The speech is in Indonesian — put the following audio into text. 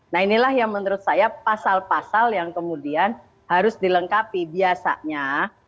nah inilah yang menurut saya pasal pasal yang kemudian harus dilengkapi biasanya